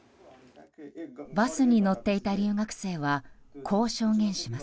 バスに乗っていた留学生はこう証言します。